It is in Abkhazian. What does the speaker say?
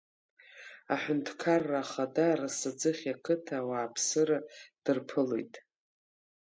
Аҳәынҭқарра Ахада Арасаӡыхь ақыҭа ауааԥсыра дырԥылеит.